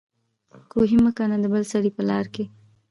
کوهي مه کينه دبل سړي په لار کي